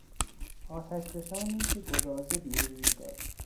آتشفشانی که گدازه بیرون میداد